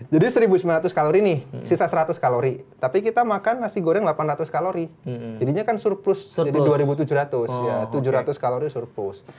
jadi seribu sembilan ratus kalori nih sisa seratus kalori tapi kita makan nasi goreng delapan ratus kalori jadinya kan surplus jadi dua ribu tujuh ratus ya tujuh ratus kalori surplus